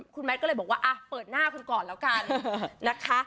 คุณแมทก็เลยบอกว่าเปิดหน้าคุณก่อนแล้วกันนะคะ